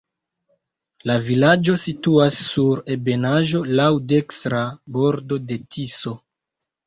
La vilaĝo situas sur ebenaĵo, laŭ dekstra bordo de Tiso.